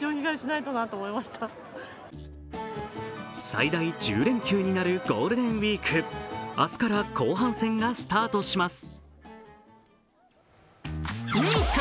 最大１０連休になるゴールデンウイーク、明日から後半戦がスタートします。